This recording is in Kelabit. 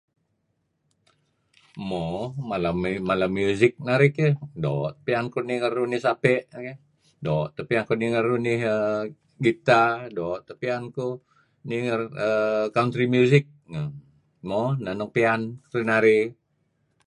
Mo mala music narih keh doo' piyan kuh ninger sape' keh doo teh piyan kuh ninger unih guitar doo' teh piyan kuh ninger err country music . Mo neh nuk piyan kedinarih.